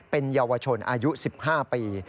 เป็นเยาวชนอายุ๑๕ปี